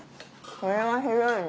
それはひどいね。